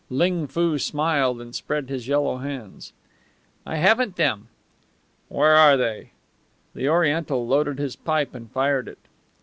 Ling Foo smiled and spread his yellow hands. "I haven't them." "Where are they?" The Oriental loaded his pipe and fired it.